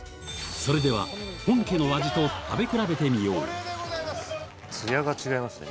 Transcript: それでは本家の味と食べ比べてみようツヤが違いますね